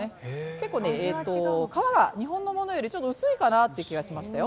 結構、皮が日本のものよりちょっと薄いかなという気がしましたよ。